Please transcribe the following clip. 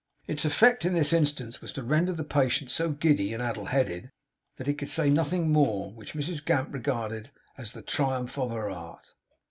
Its effect in this instance was to render the patient so giddy and addle headed, that he could say nothing more; which Mrs Gamp regarded as the triumph of her art.